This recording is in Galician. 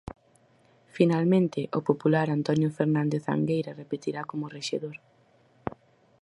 Finalmente, o popular Antonio Fernández Angueira repetirá como rexedor.